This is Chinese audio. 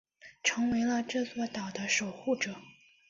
成为了这座岛的守护者。